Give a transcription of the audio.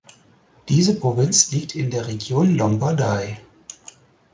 Diese Provinz liegt in der Region Lombardei.